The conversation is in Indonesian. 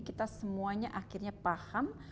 kita semuanya akhirnya paham